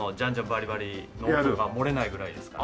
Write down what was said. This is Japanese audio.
バリバリの音が漏れないぐらいですから。